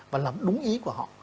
và làm đúng ý của họ